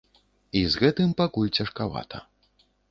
І з гэтым пакуль цяжкавата.